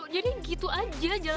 jadi gitu aja jangan